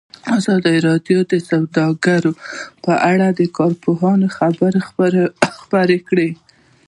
ازادي راډیو د سوداګري په اړه د کارپوهانو خبرې خپرې کړي.